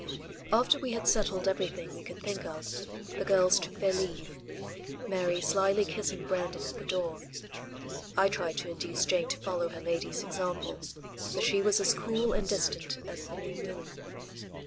After we had settled everything we could think of, the girls took their leave; Mary slyly kissing Brandon at the door. I tried to induce Jane to follow her lady's example, but she was as cool and distant as the new moon.